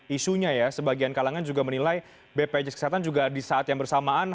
isunya ya sebagian kalangan juga menilai bpjs kesehatan juga di saat yang bersamaan